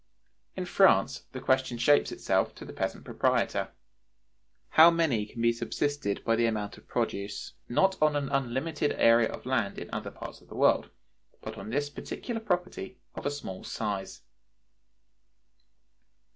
In France the question shapes itself to the peasant proprietor, How many can be subsisted by the amount of produce, not on an unlimited area of land in other parts of the world, but on this particular property of a small size?